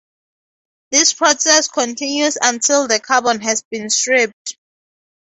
This process continues until the carbon has been stripped.